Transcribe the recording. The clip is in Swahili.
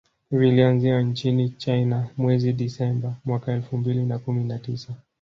Vilianzia nchini China mwezi Disemba mwaka elfu mbili na kumi na tisa